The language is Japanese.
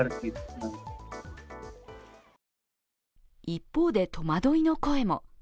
一方で、戸惑いの声も。